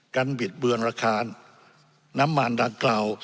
บิดเบือนราคาน้ำมันดังกล่าว